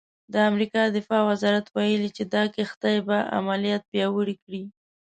د امریکا دفاع وزارت ویلي چې دا کښتۍ به عملیات پیاوړي کړي.